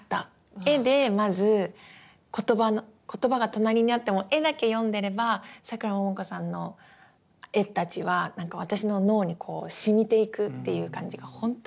絵でまず言葉が隣にあっても絵だけ読んでればさくらももこさんの絵たちはなんか私の脳にこう染みていくっていう感じがほんとに。